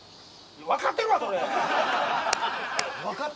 分かってるわ、それ！